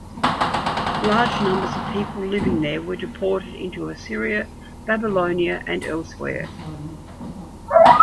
Large numbers of people living there were deported into Assyria, Babylonia and elsewhere.